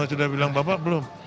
sudah bilang bapak belum